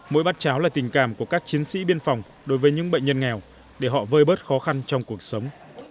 mỗi bát cháo là tình cảm của các chiến sĩ biên phòng đối với những bệnh nhân nghèo để họ vơi bớt khó khăn trong cuộc sống